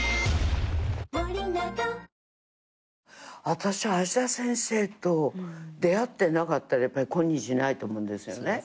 私橋田先生と出会ってなかったら今日ないと思うんですよね。